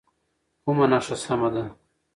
کومه نښه سمه ده؟